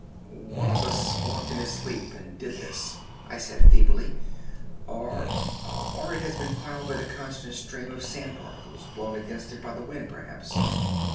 "One of us walked in his sleep and did this thing," I said feebly, "or—or it has been filed by the constant stream of sand particles blown against it by the wind, perhaps."